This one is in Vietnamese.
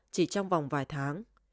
chỉ trong vòng vài tháng